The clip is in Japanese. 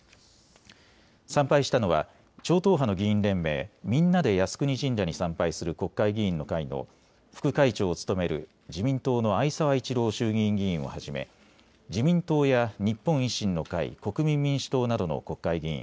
参拝したのは超党派の議員連盟みんなで靖国神社に参拝する国会議員の会の副会長を務める務める自民党の逢沢一郎衆議院議員をはじめ自民党や日本維新の会、国民民主党などの国会議員